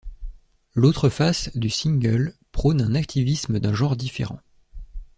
L’autre face du single prône un activisme d’un genre différent.